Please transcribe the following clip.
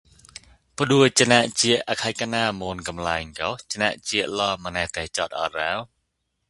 ပ္ဍဲစၞစအခိုက်ကၞာမန်ဂမၠိုၚ်ဂှ်စၞစလဵု မၞးဒးစိုတ်အိုတ်ရော?